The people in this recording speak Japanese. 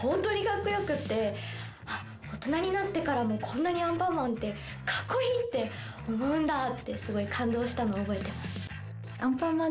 大人になってからもこんなにアンパンマンって格好いいって思うんだってスゴい感動したのを覚えてます。